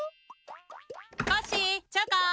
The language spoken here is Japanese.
コッシーチョコン！